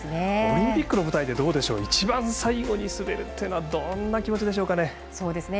オリンピックの舞台で一番最後に滑るというのはどんな気持ちでしょうかね。